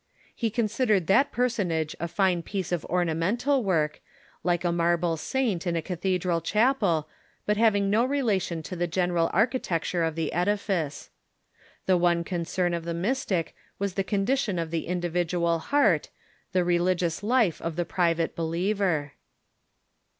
He considered that personage a fine piece of ornamental work, like a marble saint in a cathedral chapel, but having no rela tion to the general architecture of the edifice. The one con cern of the Mystic was the condition of the individual heart, the religious life of the private believer.